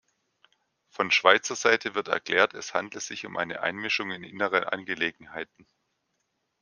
Von Schweizer Seite wird erklärt, es handle sich um eine Einmischung in innere Angelegenheiten.